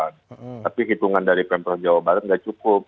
tapi hitungan dari pemprov jawa barat nggak cukup